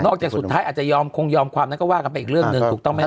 จากสุดท้ายอาจจะยอมคงยอมความนั้นก็ว่ากันไปอีกเรื่องหนึ่งถูกต้องไหมฮ